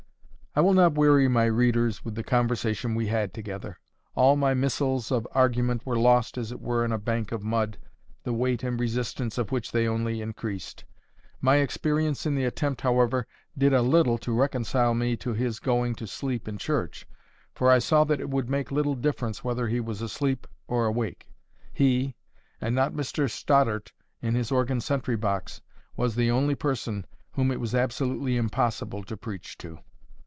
I will not weary my readers with the conversation we had together. All my missiles of argument were lost as it were in a bank of mud, the weight and resistance of which they only increased. My experience in the attempt, however, did a little to reconcile me to his going to sleep in church; for I saw that it could make little difference whether he was asleep or awake. He, and not Mr. Stoddart in his organ sentry box, was the only person whom it was absolutely impossible to preach to.